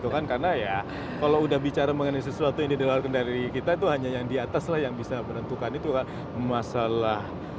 karena ya kalau udah bicara mengenai sesuatu yang di luar kendali kita itu hanya yang di atas lah yang bisa menentukan itu kan masalah